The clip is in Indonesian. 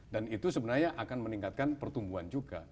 dan itu sebenarnya akan meningkatkan pertumbuhan juga